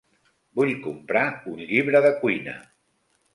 Vull comprar un llibre de cuina.